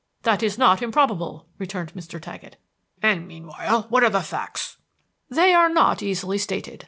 "That is not improbable," returned Mr. Taggett. "And meanwhile what are the facts?" "They are not easily stated.